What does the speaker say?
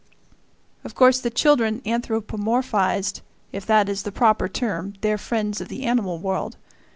Of course the children anthropomorphized if that is the proper term their friends of the animal world.